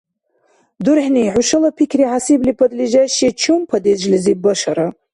ДурхӀни, хӀушала пикри хӀясибли, подлежащее чум падежлизиб башара?